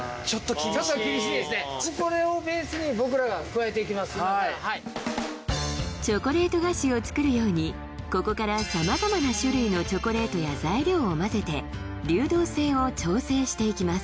今からはいチョコレート菓子を作るようにここからさまざまな種類のチョコレートや材料を混ぜて流動性を調整していきます